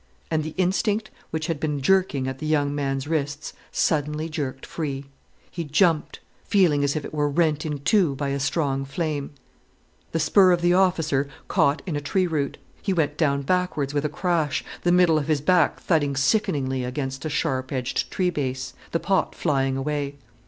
And the instinct which had been jerking at the young man's wrists suddenly jerked free. He jumped, feeling as if it were rent in two by a strong flame. The spur of the officer caught in a tree root, he went down backwards with a crash, the middle of his back thudding sickeningly against a sharp edged tree base, the pot flying away.